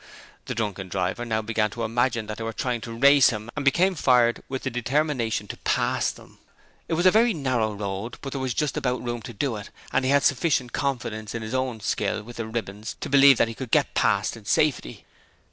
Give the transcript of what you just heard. The drunken driver now began to imagine that they were trying to race him, and became fired with the determination to pass them. It was a very narrow road, but there was just about room to do it, and he had sufficient confidence in his own skill with the ribbons to believe that he could get past in safety.